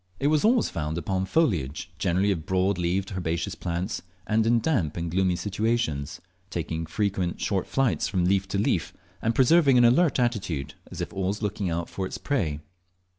It was always found upon foliage, generally of broad leaned herbaceous plants, and in damp and gloomy situations, taking frequent short flights from leaf to leaf, and preserving an alert attitude, as if always looking out for its prey.